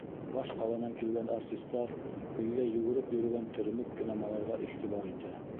Баш ҡаланан килгән артистар өйҙә йүгереп йөрөгән теремек кенә малайға иғтибар итә.